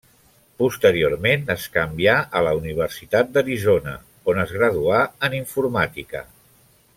Posteriorment, es canvià a la Universitat d'Arizona on es graduà en informàtica.